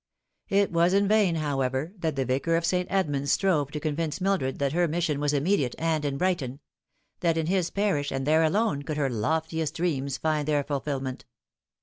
It was in vain, however, that the Yicar of St. Edmund's strove to convince Mildred that her mission was immediate, and in Brighton ; that in his parish, and there alone, could her loftiest dreams find their fulfilment.